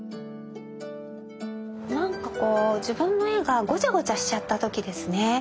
なんかこう自分の絵がごちゃごちゃしちゃった時ですね。